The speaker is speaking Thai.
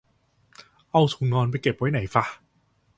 เอาถุงนอนไปเก็บไว้ไหนฟะ